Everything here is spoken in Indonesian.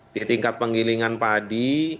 di tingkat penggilingan padi